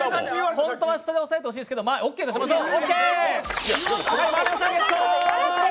本当は下で押さえてほしいけどオッケーでしょう。